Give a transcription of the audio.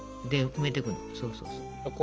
そうそうそう。